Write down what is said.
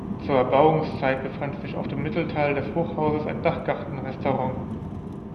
Zur Erbauungszeit befand sich auf dem Mittelteil des Hochhauses ein Dachgarten-Restaurant.